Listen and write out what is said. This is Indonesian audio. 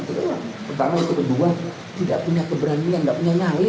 itu yang pertama itu kedua tidak punya keberanian tidak punya nyali